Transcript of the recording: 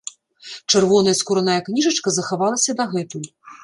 Чырвоная скураная кніжачка захавалася дагэтуль.